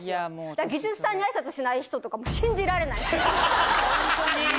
だから技術さんにあいさつしない人とか信じられない。